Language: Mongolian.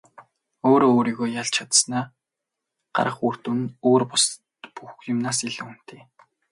Өөрөө өөрийгөө ялж чадсанаа гарах үр дүн өөр бусад бүх юмнаас илүү үнэтэй.